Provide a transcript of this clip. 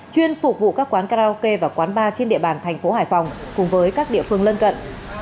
chuyên phục vụ các quán karaoke và quán bar trên địa bàn thành phố hải phòng cùng với các địa phương lân cận